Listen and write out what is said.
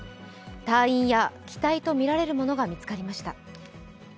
隊員や機体とみられるものが見つかりました。